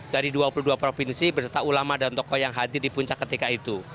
dari dua puluh dua provinsi berserta ulama dan tokoh yang hadir di puncak ketika itu